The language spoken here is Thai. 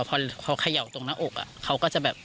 พอเขาเขย่าตรงหน้าอกเขาก็จะแบบ